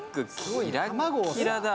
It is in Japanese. キラッキラだ。